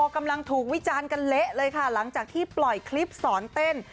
กำลังถูกวิจารณ์กันเละเลยค่ะหลังจากที่ปล่อยคลิปสอนเต้น